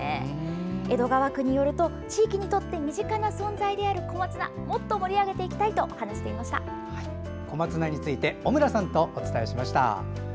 江戸川区によりますと地域にとって身近な存在である小松菜もっと盛り上げていきたいと小松菜について小村さんとお伝えしました。